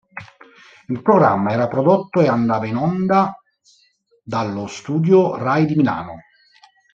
Il programma era prodotto e andava in onda dallo studio Rai di Milano.